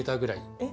えっ？